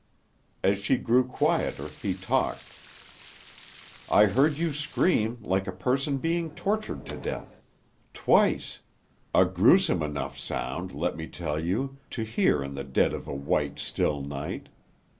As she grew quieter, he talked. "I heard you scream like a person being tortured to death twice a gruesome enough sound, let me tell you, to hear in the dead of a white, still night.